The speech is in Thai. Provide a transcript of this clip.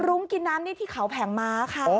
รุ้งกินน้ำนี่ที่เขาแผงม้าค่ะ